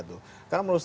ada beberapa indikator